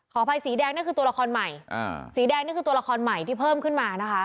อภัยสีแดงนั่นคือตัวละครใหม่สีแดงนี่คือตัวละครใหม่ที่เพิ่มขึ้นมานะคะ